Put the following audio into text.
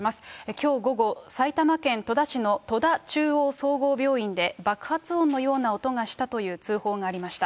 きょう午後、埼玉県戸田市の戸田中央総合病院で爆発音のような音がしたという通報がありました。